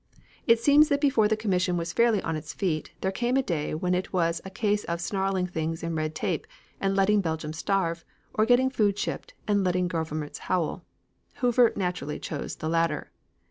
It seems that before the commission was fairly on its feet, there came a day when it was a case of snarling things in red tape and letting Belgium starve, or getting food shipped and letting governments howl. Hoover naturally chose the latter.